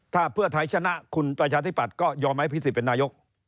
ถ้าเพื่อไทยชนะคุณประชาธิปัตยก็ยอมให้พิสิทธิเป็นนายก